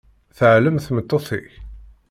Teɛlem tmeṭṭut-ik?